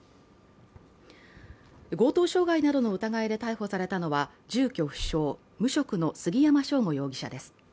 強盗傷害などの疑いで逮捕されたのは住居不詳・無職の杉山翔吾容疑者です。